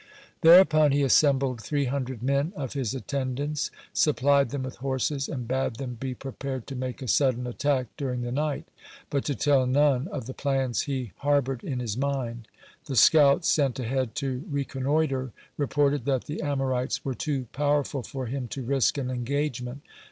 Thereupon he assembled three hundred men of his attendants, supplied them with horses, and bade them be prepared to make a sudden attack during the night, but to tell none of the plans he harbored in his mind. The scouts sent ahead to reconnoitre reported that the Amorites were too powerful for him to risk an engagement.